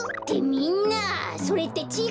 みんなそれってちぃ